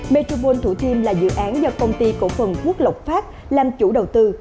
metrovon thủ thiêm là dự án do công ty cổ phần quốc lộc pháp làm chủ đầu tư